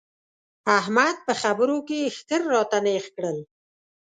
احمد په خبرو کې ښکر راته نېغ کړل.